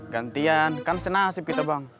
gantian kan senasib kita bang